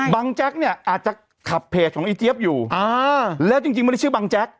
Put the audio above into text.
แจ๊กเนี่ยอาจจะขับเพจของอีเจี๊ยบอยู่อ่าแล้วจริงไม่ได้ชื่อบังแจ๊ก